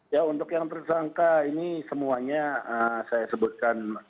ya untuk yang tersangka ini semuanya saya sebutkan